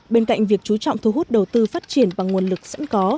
bên cạnh việc chú trọng thu hút đầu tư phát triển bằng nguồn lực sẵn có